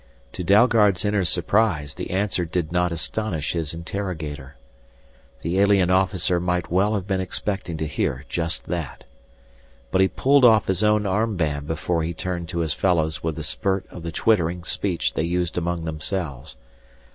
To Dalgard's inner surprise the answer did not astonish his interrogator. The alien officer might well have been expecting to hear just that. But he pulled off his own arm band before he turned to his fellows with a spurt of the twittering speech they used among themselves.